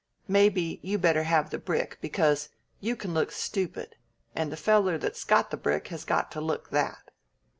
Maybe you better have the brick, because you can look stupid, and the feller that's got the brick has got to look that."